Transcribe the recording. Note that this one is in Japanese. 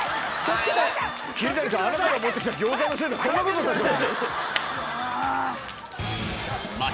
桐谷さんあなたが持ってきた餃子のせいでこんなことになってますよ。